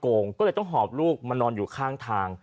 ประมวลเสร็จแล้วเขาก็ไม่ได้งาน